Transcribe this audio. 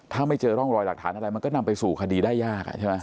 ถ้าไม่เจอร่องรอยหลักฐานอะไรมันก็นำไปสู่คดีได้ยากใช่ไหม